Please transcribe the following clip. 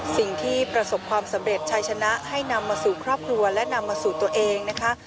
สิ่งที่ประสบความสำเร็จชายชนะให้นำมาสู่ครอบครัวและนำมาสู่ตัวเองนะคะ